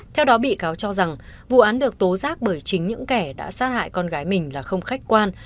theo đó bị cáo cho rằng vụ án được tố giác bởi chính những kẻ đã sát hại con gái mình là không khách quan